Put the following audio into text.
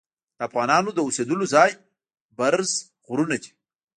د افغانانو د اوسیدلو ځای برز غرونه دي.